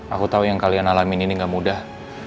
aku tahu yang kalian alamin ini gak mudah